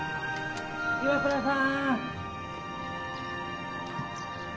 ・岩倉さん。